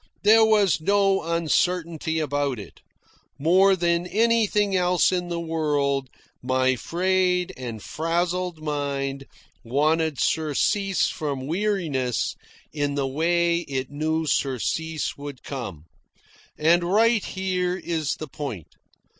There was no uncertainty about it. More than anything else in the world, my frayed and frazzled mind wanted surcease from weariness in the way it knew surcease would come. And right here is the point.